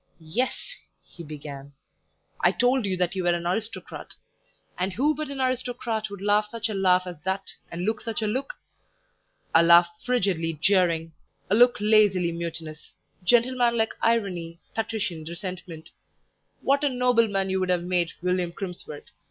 "Yes," he began, "I told you that you were an aristocrat, and who but an aristocrat would laugh such a laugh as that, and look such a look? A laugh frigidly jeering; a look lazily mutinous; gentlemanlike irony, patrician resentment. What a nobleman you would have made, William Crimsworth!